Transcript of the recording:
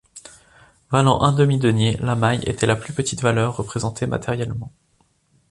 Valant un demi denier, la maille était la plus petite valeur représentée matériellement.